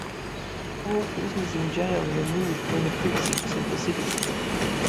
All prisoners in jail are removed from the precincts of the city.